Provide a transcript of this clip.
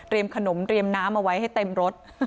ขนมเตรียมน้ำเอาไว้ให้เต็มรถ